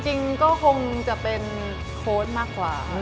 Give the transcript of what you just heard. จริงก็คงจะเป็นโค้ดมากกว่า